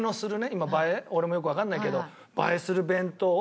今映え俺もよくわかんないけど。